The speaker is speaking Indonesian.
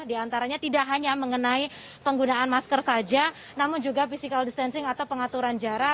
di antaranya tidak hanya mengenai penggunaan masker saja namun juga physical distancing atau pengaturan jarak